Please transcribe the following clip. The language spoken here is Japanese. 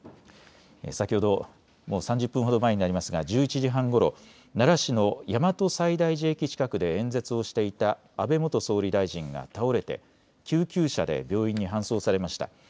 先ほど、もう３０分ほど前になりますが１１時半ごろ奈良市の大和西大寺駅近くで演説をしていた安倍元総理大臣が倒れて救急車で病院に搬送されました。